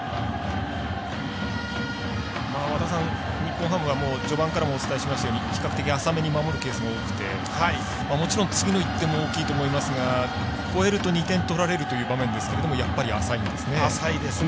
日本ハムは序盤からもお伝えしましたように、比較的浅めに守るケースが多くてもちろん次の１点大きいと思いますが超えると２点取られるという場面ですが、浅いんですね。